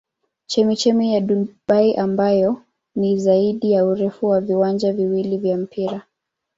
Chemchemi ya Dubai ambayo ni zaidi ya urefu wa viwanja viwili vya mpira.